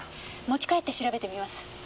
持ち帰って調べてみます。